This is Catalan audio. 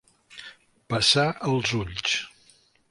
Passar els ulls.